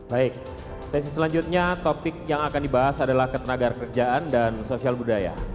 baik sesi selanjutnya topik yang akan dibahas adalah ketenaga kerjaan dan sosial budaya